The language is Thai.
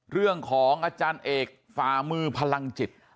เรื่องของอาจารย์เอกฝามือพลังจิต